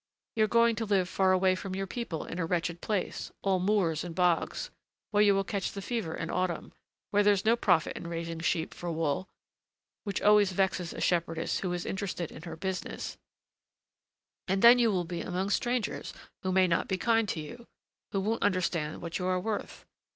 You're going to live far away from your people in a wretched place, all moors and bogs, where you will catch the fever in autumn, where there's no profit in raising sheep for wool, which always vexes a shepherdess who is interested in her business; and then you will be among strangers who may not be kind to you, who won't understand what you are worth.